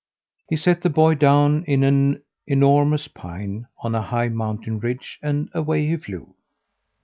He set the boy down in an enormous pine on a high mountain ridge, and away he flew.